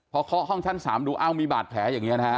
พอเคาะห้องชั้น๓ดูอ้าวมีบาดแผลอย่างนี้นะฮะ